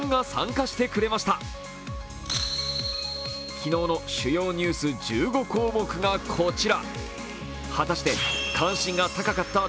昨日の主要ニュース１５項目がこちら。